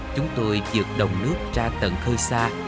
chúng tôi dược đồng nước ra tận khơi xa